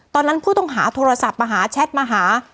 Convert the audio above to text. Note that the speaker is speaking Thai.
ตอนนั้นผู้ต้องหาโทรศัพท์มาหาแชทมาหา